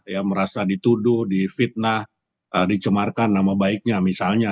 ya merasa dituduh difitnah dicemarkan nama baiknya misalnya